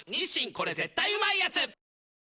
これ絶対うまいやつ」